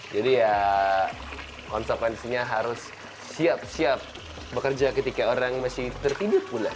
jadi ya konsekuensinya harus siap siap bekerja ketika orang masih tertidur pula